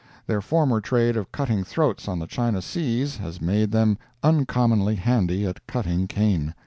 Their former trade of cutting throats on the China seas has made them uncommonly handy at cutting cane.